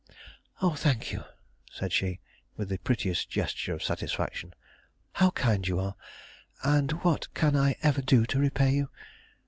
"Oh, thank you," said she, with the prettiest gesture of satisfaction. "How kind you are, and what can I ever do to repay you?